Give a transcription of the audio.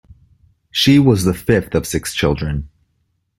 She was the fifth of six children.